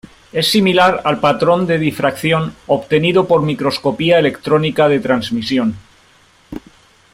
Es similar al patrón de difracción obtenido por microscopía electrónica de transmisión.